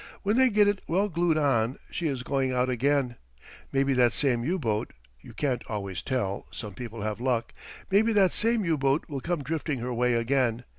When they get it well glued on she is going out again. Maybe that same U boat you can't always tell, some people have luck maybe that same U boat will come drifting her way again.